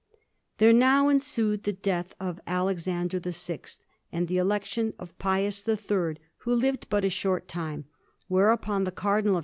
There now ensued the death of Alexander VI, and the election of Pius III, who lived but a short time; whereupon the Cardinal of S.